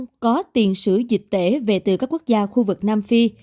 y tế cũng đã chỉ đạo hệ thống giám sát dịch tễ về từ các quốc gia khu vực nam phi